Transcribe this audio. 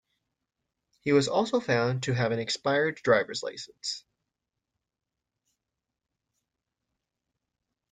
He was also found to have an expired drivers license.